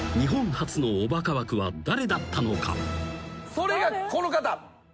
それがこの方。